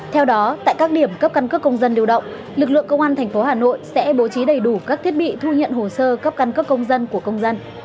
theo đó tại các điểm cấp căn cước công dân lưu động lực lượng công an tp hà nội sẽ bố trí đầy đủ các thiết bị thu nhận hồ sơ cấp căn cước công dân của công dân